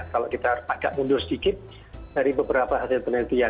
kalau kita agak mundur sedikit dari beberapa hasil penelitian